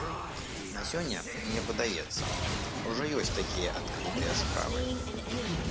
На сёння, мне падаецца, ужо ёсць такія адкрытыя справы.